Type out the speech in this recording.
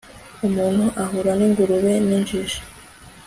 umuntu ahura ningurube ninjiji